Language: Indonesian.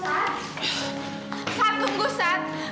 sat tunggu sat